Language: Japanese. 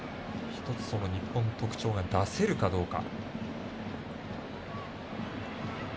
日本特徴が出せるかどうか。